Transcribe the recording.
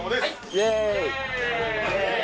イエーイ！